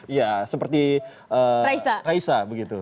iya seperti raisa begitu